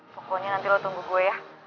pokoknya nanti lo tunggu gue ya